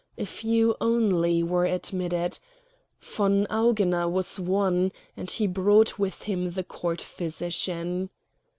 A few only were admitted. Von Augener was one, and he brought with him the Court physician.